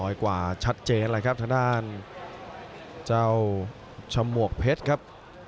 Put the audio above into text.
กว่าชัดเจนเลยครับทางด้านเจ้าชมวกเพชรครับ